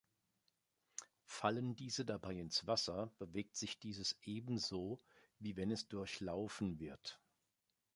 Fallen diese dabei ins Wasser, bewegt sich dieses ebenso, wie wenn es durchlaufen wird.